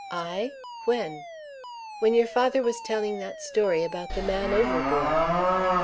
"I? When?" "When your father was telling that story about the man overboard."